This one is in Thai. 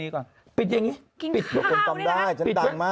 กินข้าวก็ได้นะ